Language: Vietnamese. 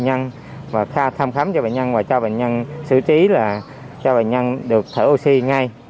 để cho bệnh nhân thăm khám cho bệnh nhân và cho bệnh nhân xử trí là cho bệnh nhân được thở oxy ngay